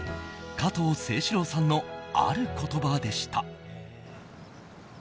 加藤清史郎さんのある言葉でした。